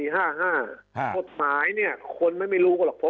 กฎหมายเนี่ยคนไม่รู้ก็หรอก